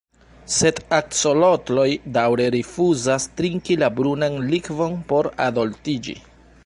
Sed aksolotloj daŭre rifuzas trinki la brunan likvon por adoltiĝi.